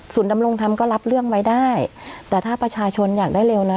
ดำรงธรรมก็รับเรื่องไว้ได้แต่ถ้าประชาชนอยากได้เร็วนะ